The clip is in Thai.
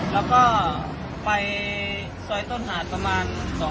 แล้วก็ไปซอยต้นหาดประมาณ๒ทุ่มครึ่ง